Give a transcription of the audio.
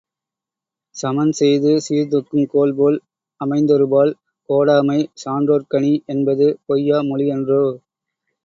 சமன் செய்து சீர்தூக்குங் கோல்போல் அமைந் தொருபால் கோடாமை சான்றோர்க் கணி, என்பது பொய்யா மொழியன்றோ?